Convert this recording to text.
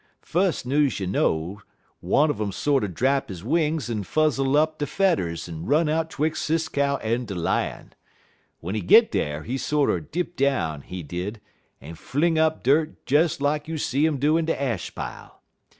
Fus' news you know, one un um sorter drap he wings en fuzzle up de fedders en run out 'twix' Sis Cow en de Lion. W'en he get dar, he sorter dip down, he did, en fling up dirt des lak you see um do in de ash pile.